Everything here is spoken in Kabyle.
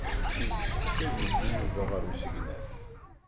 Yessefk ad yeddu Yuba ɣer usegnaf.